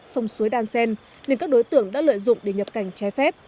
sông suối đan sen nên các đối tượng đã lợi dụng để nhập cảnh trái phép